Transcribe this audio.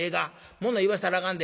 もの言わせたらあかんで。